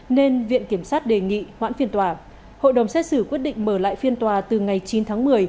đề nghị hoãn phiên tòa hội đồng xét xử quyết định mở lại phiên tòa từ ngày chín tháng một mươi